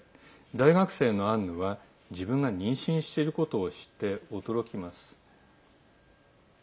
大学生のアンヌは自分が妊娠していることを知って驚きます。